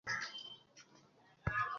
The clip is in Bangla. পাগল বেচারি, সে ভাবছে তুমি তার ছেলে।